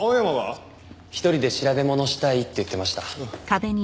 一人で調べものしたいって言ってました。